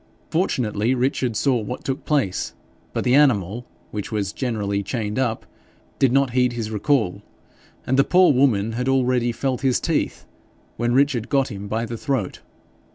Fortunately Richard saw what took place, but the animal, which was generally chained up, did not heed his recall, and the poor woman had already felt his teeth, when Richard got him by the throat.